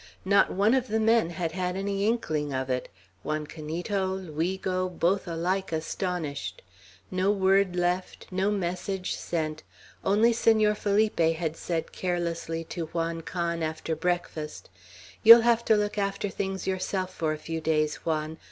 Not one of the men had had an inkling of it; Juan Canito, Luigo, both alike astonished; no word left, no message sent; only Senor Felipe had said carelessly to Juan Can, after breakfast: "You'll have to look after things yourself for a few days, Juan.